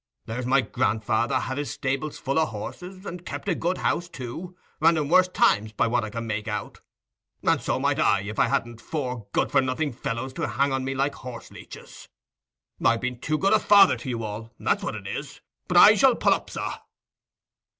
There's my grandfather had his stables full o' horses, and kept a good house, too, and in worse times, by what I can make out; and so might I, if I hadn't four good for nothing fellows to hang on me like horse leeches. I've been too good a father to you all—that's what it is. But I shall pull up, sir."